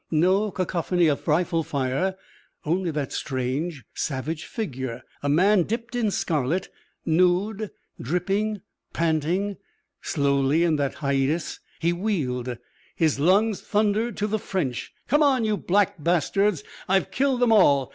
No cacophony of rifle fire. Only that strange, savage figure. A man dipped in scarlet, nude, dripping, panting. Slowly in that hiatus he wheeled. His lungs thundered to the French. "Come on, you black bastards. I've killed them all.